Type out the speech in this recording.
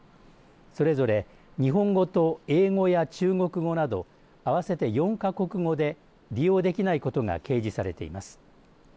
それぞれ日本語と英語や中国語など合わせて４か国で利用できないことが掲示されています。